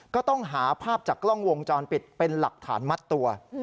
ก็ต้องหาภาพจากกล้องวงจรปิดเป็นหลักฐานมัดตัว